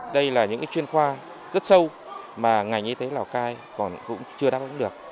đây là những chuyên khoa rất sâu mà ngành y tế lào cai còn cũng chưa đáp ứng được